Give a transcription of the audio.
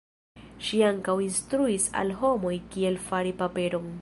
Ŝi ankaŭ instruis al homoj kiel fari paperon.